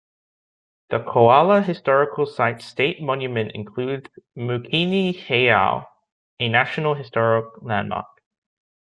The Kohala Historical Sites State Monument includes "Mookini Heiau", a National Historic Landmark.